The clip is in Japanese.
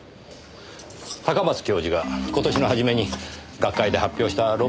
高松教授が今年の初めに学会で発表した論文です。